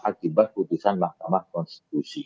akibat putusan mahkamah konstitusi